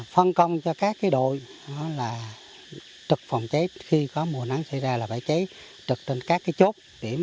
phân công cho các đội là trực phòng tráy khi có mùa nắng xảy ra là phải tráy trực trên các cái chốt điểm